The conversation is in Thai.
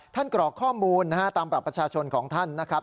ท่านกรอกข้อมูลตามบัตรประชาชนของท่านนะครับ